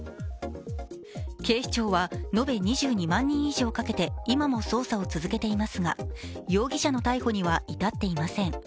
警視庁は延べ２２万人以上かけて今も捜査を続けていますが容疑者の逮捕には至っていません。